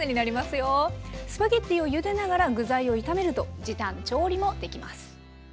スパゲッティをゆでながら具材を炒めると時短調理もできます。